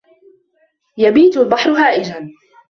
يَبِيتُ الْبَحْرُ هَائِجًا.